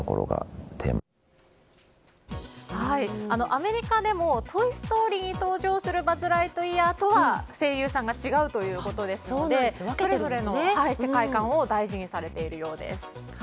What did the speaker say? アメリカでも「トイ・ストーリー」に登場するバズ・ライトイヤーとは声優さんが違うということですのでそれぞれの世界観を大事にされているようです。